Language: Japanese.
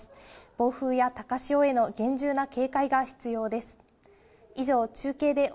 暴風や高潮への厳重な警戒が必要です。